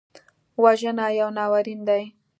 وژنه یو ناورین دی